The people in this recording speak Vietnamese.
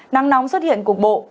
nắng nóng xuất hiện cục bộ